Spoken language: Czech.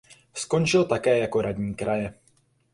Skončil také jako radní kraje.